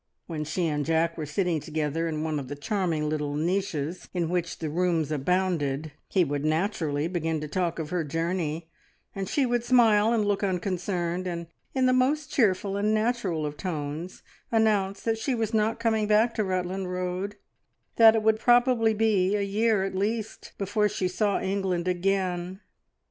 When she and Jack were sitting together in one of the charming little niches in which the rooms abounded, he would naturally begin to talk of her journey, and she would smile and look unconcerned, and, in the most cheerful and natural of tones, announce that she was not coming back to Rutland Road, that it would probably be a year at least before she saw England again.